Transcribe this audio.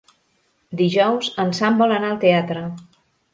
Dijous en Sam vol anar al teatre.